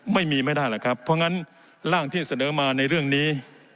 ไม่ได้หรอกครับเพราะงั้นร่างที่เสนอมาในเรื่องนี้